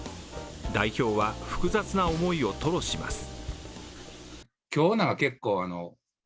代表は複雑な思いを吐露します。